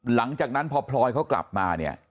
หลังจากนั้นพอพลอยเขากลับมาเนี่ย